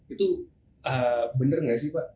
itu benar nggak sih pak